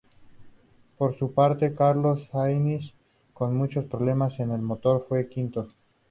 Por su parte Carlos Sainz, con muchos problemas en el motor, fue quinto.